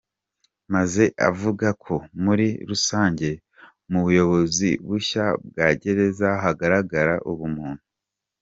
Maze avuga ko muri rusange mu buyobozi bushya bwa gereza hagaragara ubumuntu.